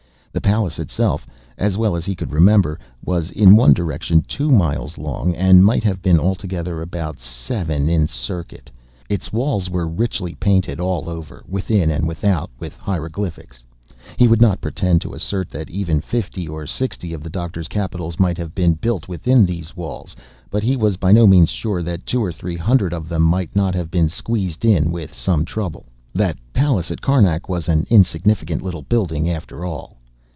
The palace itself (as well as he could remember) was, in one direction, two miles long, and might have been altogether about seven in circuit. Its walls were richly painted all over, within and without, with hieroglyphics. He would not pretend to assert that even fifty or sixty of the Doctor's Capitols might have been built within these walls, but he was by no means sure that two or three hundred of them might not have been squeezed in with some trouble. That palace at Carnac was an insignificant little building after all.